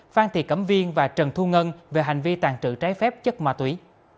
phan thị cẩm viên và trần thu ngân về hành vi tàn trự trái phép chất ma túy